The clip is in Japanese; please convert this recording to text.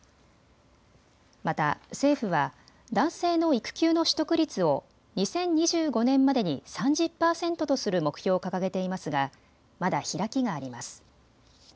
また政府は男性の育休の取得率を２０２５年までに３０％とする目標を掲げていますがまだ開きがあります。